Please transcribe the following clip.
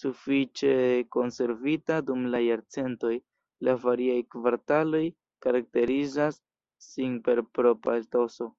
Sufiĉe konservita dum la jarcentoj, la variaj kvartaloj karakterizas sin per propra etoso.